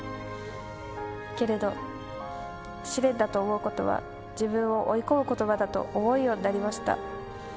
けれど、試練だと思うことは自分を追い込むことばだと思うようになりました。